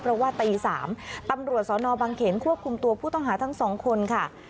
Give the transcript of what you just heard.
เพราะว่าตี๓ตำรวจสนบังเขนควบคุมตัวผู้ต้องหาทั้งสองคนค่ะ